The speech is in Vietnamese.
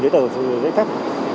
giấy tờ giấy phép